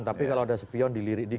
tapi kalau udah sepion dilirik dikit